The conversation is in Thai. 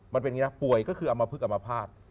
มันเป็นอย่างนี้นะป่วยก็คืออัมพฤกษ์อัมพาต